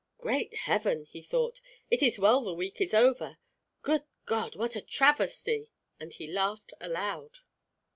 "Great heaven!" he thought. "It is well the week is over. Good God, what a travesty!" and he laughed aloud.